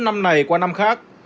năm này qua năm khác